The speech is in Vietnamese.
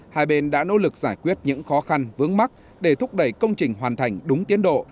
hai bên đã nỗ lực giải quyết những khó khăn vướng mắt để thúc đẩy công trình hoàn thành đúng tiến độ